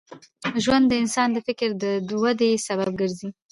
ژوند د انسان د فکر د ودې سبب ګرځي.